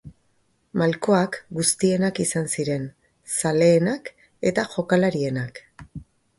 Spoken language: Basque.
Malkoak guztienak izan ziren, zaleenak eta jokalarienak.